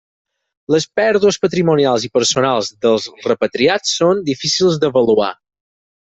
Les pèrdues patrimonials i personals dels repatriats són difícils d'avaluar.